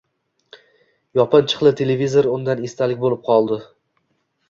Yopinchiqli televizor undan esdalik boʻlib qoldi